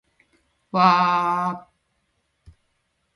わーーーーーーーー